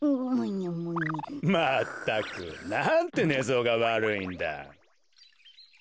まったくなんてねぞうがわるいんだ。